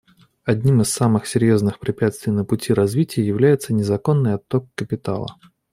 Одним из самых серьезных препятствий на пути развития является незаконный отток капитала.